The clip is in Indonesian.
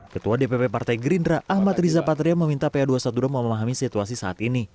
ketua dpp partai gerindra ahmad riza patria meminta pa dua ratus dua belas mau memahami situasi saat ini